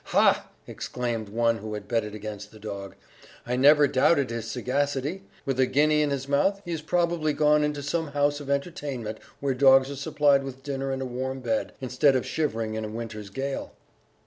"Ha!" exclaimed one who had betted against the dog, "I never doubted his sagacity. With a guinea in his mouth, he has probably gone into some house of entertainment where dogs are supplied with dinner and a warm bed, instead of shivering in a winter's gale!"